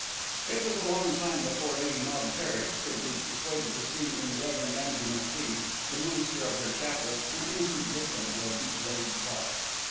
It was a long time before Lady Knob Kerrick could be persuaded to see in the Rev. Andrew MacFie, the minister of her chapel, an innocent victim of a deep laid plot.